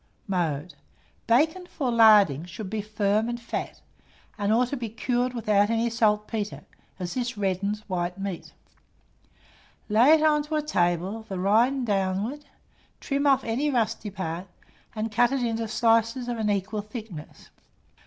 Mode. Bacon for larding should be firm and fat, and ought to be cured without any saltpetre, as this reddens white meats. Lay it on a table, the rinds downwards; trim off any rusty part, and cut it into slices of an equal thickness.